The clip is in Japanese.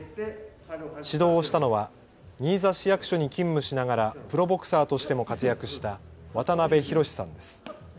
指導をしたのは新座市役所に勤務しながらプロボクサーとしても活躍した渡邉宏さんです。